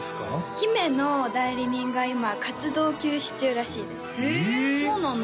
姫の代理人が今活動休止中らしいですへえそうなの？